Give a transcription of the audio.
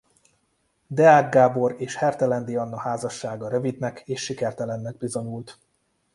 Deák Gábor és Hertelendy Anna házassága rövidnek és sikertelennek bizonyult.